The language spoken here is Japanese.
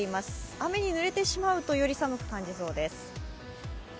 雨に濡れてしまうとより寒く感じそうです。